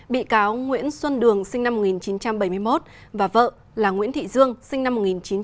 bị cáo nguyễn xuân đường sinh năm một nghìn chín trăm bảy mươi một và vợ là nguyễn thị dương sinh năm một nghìn chín trăm tám mươi